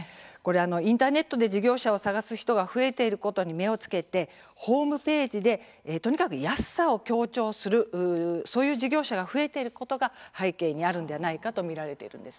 インターネットで事業者を探す人が増えていることに目を付けてホームページでとにかく安さを強調するそういう事業者が増えていることが背景にあるのではないかとみられているんです。